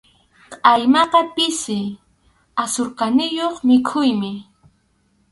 Qʼaymaqa pisi asukarniyuq mikhuymi.